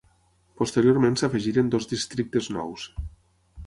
Posteriorment s'afegiren dos districtes nous.